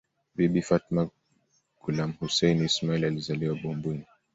Bibi Fatma Gulamhussein Ismail alizaliwa Bumbwini